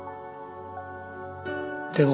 「でも」